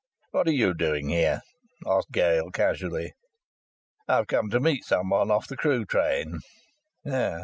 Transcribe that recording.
"What are you doing here?" asked Gale, casually. "I've come to meet someone off the Crewe train."